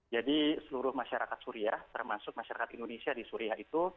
jadi seluruh masyarakat suriah termasuk masyarakat indonesia di suriah itu